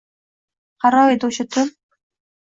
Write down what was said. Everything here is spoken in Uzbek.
Qaro edi o’sha tun.